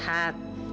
alena kan sudah sehat